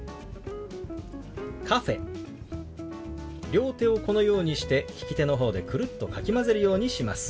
両手をこのようにして利き手の方でくるっとかき混ぜるようにします。